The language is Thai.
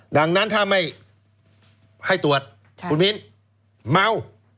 ดังนั้นถ้าไม่ให้ตรวจคุณมิ้นเมา